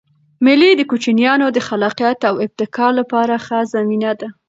مېلې د کوچنيانو د خلاقیت او ابتکار له پاره ښه زمینه ده.